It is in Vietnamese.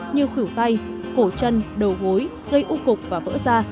như khửu tay cổ chân đầu gối gây ưu cục và vỡ da